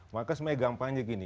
maka sebenarnya gampangnya gini